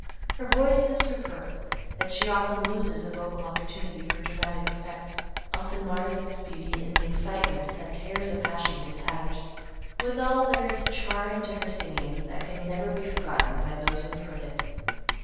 Her voice is superb, yet she often loses a vocal opportunity for dramatic effect, often mars its beauty in the excitement that tears a passion to tatters. Withal there is a charm to her singing that can never be forgotten by those who have heard it.